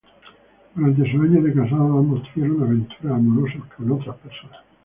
Durante sus años de casados, ambos tuvieron aventuras amorosas con otras personas.